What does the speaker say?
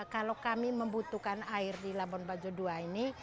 kalau kami membutuhkan air di labon bajo ii ini